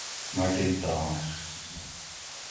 مٹلتان